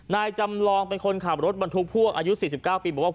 นายจำลองเป็นคนขับรถบรรทุกพ่วงอายุ๔๙ปีบอกว่า